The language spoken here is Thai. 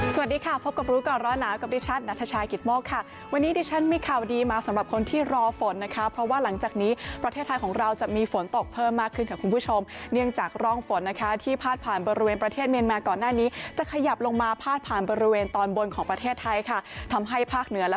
สวัสดีค่ะพบกับรู้ก่อนร้อนหนาวกับดิฉันนัทชายกิตโมกค่ะวันนี้ดิฉันมีข่าวดีมาสำหรับคนที่รอฝนนะคะเพราะว่าหลังจากนี้ประเทศไทยของเราจะมีฝนตกเพิ่มมากขึ้นค่ะคุณผู้ชมเนื่องจากร่องฝนนะคะที่พาดผ่านบริเวณประเทศเมียนมาก่อนหน้านี้จะขยับลงมาพาดผ่านบริเวณตอนบนของประเทศไทยค่ะทำให้ภาคเหนือและ